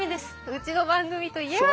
うちの番組といえば。